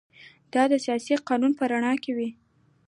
دا د اساسي قانون په رڼا کې وي.